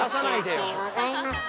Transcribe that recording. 申し訳ございません。